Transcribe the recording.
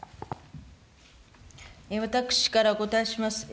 私からお答えします。